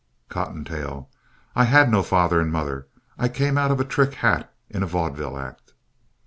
COTTONTAIL I had no father or mother. I came out of a trick hat in a vaudeville act.